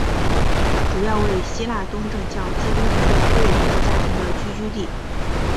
主要为希腊东正教基督徒的贝鲁特家庭的聚居地。